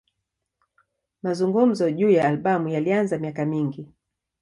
Mazungumzo juu ya albamu yalianza miaka mingi.